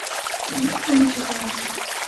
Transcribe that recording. আমি সেটা রাখব।